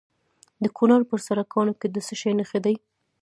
د کونړ په سرکاڼو کې د څه شي نښې دي؟